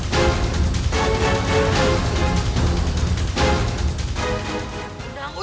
tuh ini kepulauanku